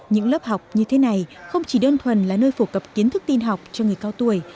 những lớp học như thế này không chỉ đơn thuần là nơi phổ cập kiến thức tin học cho người cao tuổi